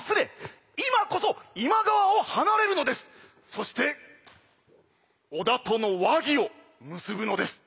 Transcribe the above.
そして織田との和議を結ぶのです。